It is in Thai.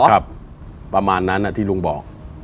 ครับประมาณนั้นอะที่ลุงบอก